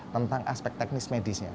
tentang aspek teknis medisnya